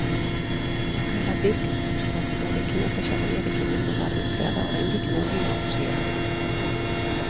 Horregatik, eskuak urarekin eta xaboiarekin ondo garbitzea da oraindik neurri nagusia.